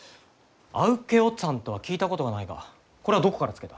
「ａｗｋｅｏｔｓａｎｇ」とは聞いたことがないがこれはどこから付けた？